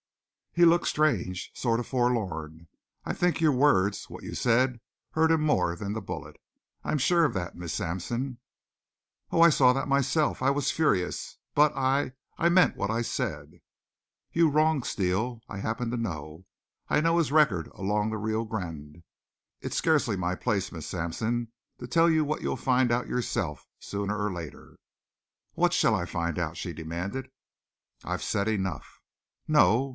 "He looked strange, sort of forlorn. I think your words what you said hurt him more than the bullet. I'm sure of that, Miss Sampson." "Oh, I saw that myself! I was furious. But I I meant what I said." "You wronged Steele. I happen to know. I know his record along the Rio Grande. It's scarcely my place, Miss Sampson, to tell you what you'll find out for yourself, sooner or later." "What shall I find out?" she demanded. "I've said enough." "No.